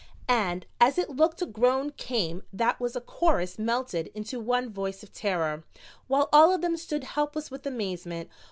And as it looked a groan came that was a chorus melted into one voice of terror, while all of them stood helpless with amazement.